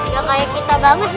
gak kayak kita banget deh